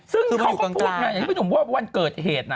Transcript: ซึ่งเขาก็พูดไงอย่างที่พี่หนุ่มว่าวันเกิดเหตุนะ